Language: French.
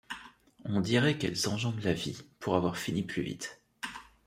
On dirait qu’elles enjambent la vie, pour avoir fini plus vite.